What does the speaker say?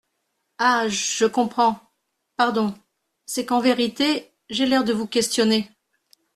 Ah ! je comprends … Pardon, c'est qu'en vérité, j'ai l'air de vous questionner.